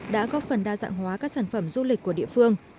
đã góp phần đa dạng hóa các sản phẩm du lịch của địa phương